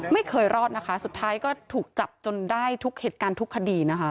ไม่เคยรอดนะคะสุดท้ายก็ถูกจับจนได้ทุกเหตุการณ์ทุกคดีนะคะ